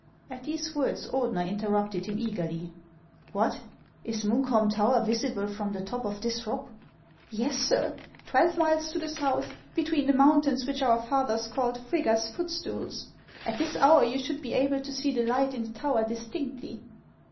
At these words Ordeuer interrupted him eagerly. " What ! is Munkholm tower visible from the top of this rock ?"" Yes, sir ; twelve miles to the south, between the mountains which our fathers called Frigga's Footstools. At this hour you should be able to see the light in the tower distinctly."